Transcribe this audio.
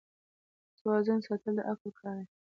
د توازن ساتل د عقل کار دی.